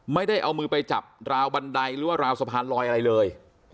ไม่ได้เอามือไปจับราวบันไดหรือว่าราวสะพานลอยอะไรเลย